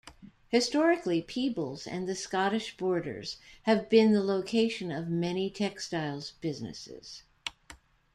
Historically Peebles and the Scottish borders have been the location of many textiles businesses.